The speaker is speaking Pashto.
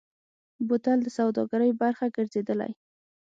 بوتل د سوداګرۍ برخه ګرځېدلی.